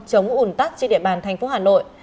chống ủn tắc trên địa bàn thành phố hà nội